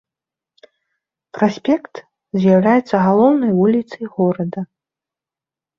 Праспект з'яўляецца галоўнай вуліцай горада.